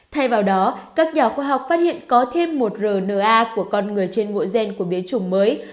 thay vào đó các nhà khoa học phát hiện có thêm một rna của con người trên mỗi gen của biến chủng mới